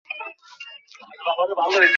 এদিকে সরকারের আশু দৃষ্টি আকর্ষণ করছি।